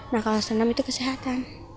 nah kalau senam itu kesehatan